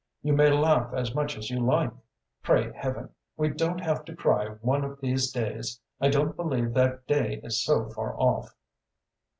You may laugh as much as you like... pray heaven we don't have to cry one of these days! I don't believe that day is so far off."